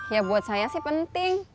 ya buat saya sih penting